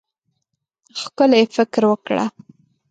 ښکلی فکر وکړه.